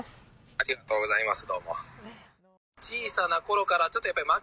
ありがとうございます。